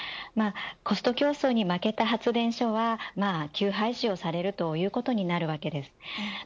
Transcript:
コスト競争に負けた発電所は休廃止をされるということになるわけです。